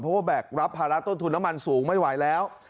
เพราะว่าแบกรับภาระต้นทุนน้ำมันสูงไม่ไหวแล้ว